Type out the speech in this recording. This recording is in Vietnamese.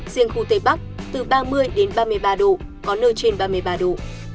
riêng khu tây bắc từ ba mươi đến ba mươi ba độ có nơi trên ba mươi ba độ